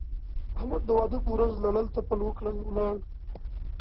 احمد د واده په ورځ لړل تپل وکړل؛ ولاړ.